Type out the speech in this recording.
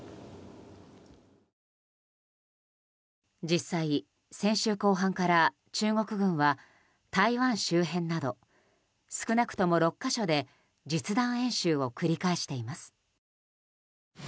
実際、先週後半から中国軍は台湾周辺など少なくとも６か所で実弾演習を繰り返しています。